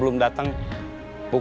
segala bacaan yang berubah